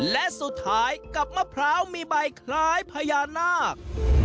และสุดท้ายกับมะพร้าวมีใบคล้ายพญานาค